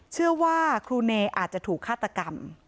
เชื่อว่าครูเนอาจจะถูกฆาตกรรม